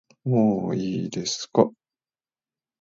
もういいですか